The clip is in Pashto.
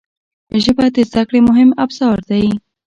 ژبه د زده کړې مهم ابزار دی